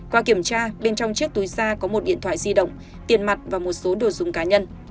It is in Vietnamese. qua kiểm tra bên trong chiếc túi da có một điện thoại di động tiền mặt và một số đồ dùng cá nhân